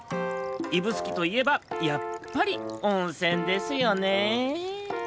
指宿といえばやっぱりおんせんですよね。